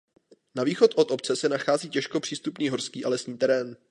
Na východ od obce se nachází těžko přístupný horský a lesní terén.